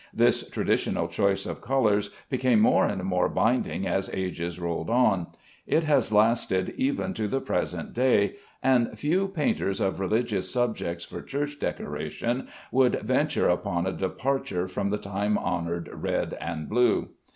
This traditional choice of colors became more and more binding as ages rolled on. It has lasted even to the present day, and few painters of religious subjects for church decoration would venture upon a departure from the time honored red and blue.